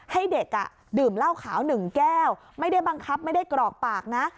ให้เด็กดื่มเหล้าขาวหนึ่งแก้วไม่ได้บังคับไม่ได้กรอกปากนะ